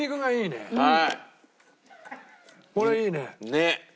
ねっ！